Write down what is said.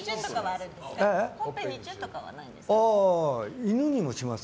ほっぺにチューとかはないんですか？